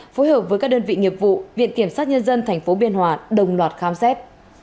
phối hợp với các đơn vị nghiệp vụ viện kiểm sát nhân dân tp biên hòa đồng loạt khám xét